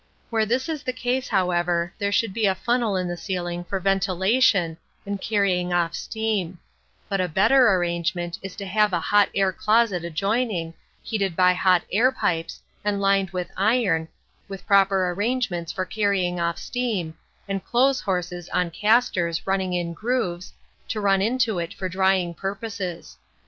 Where this is the case, however, there should be a funnel in the ceiling for ventilation and carrying off steam; but a better arrangement is to have a hot air closet adjoining, heated by hot air pipes, and lined with iron, with proper arrangements for carrying off steam, and clothes horses on castors running in grooves, to run into it for drying purposes.